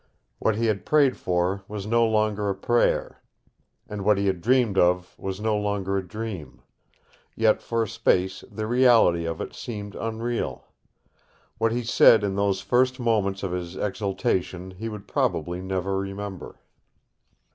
What he had prayed for was no longer a prayer, and what he had dreamed of was no longer a dream; yet for a space the reality of it seemed unreal. What he said in those first moments of his exaltation he would probably never remember.